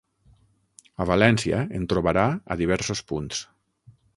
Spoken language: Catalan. A València en trobarà a diversos punts.